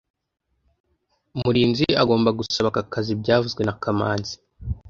Murinzi agomba gusaba aka kazi byavuzwe na kamanzi